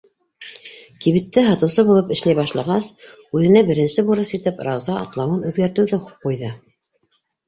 Кибеттә һатыусы булып эшләй башлағас, үҙенә беренсе бурыс итеп Рауза атлауын үҙгәртеүҙе ҡуйҙы.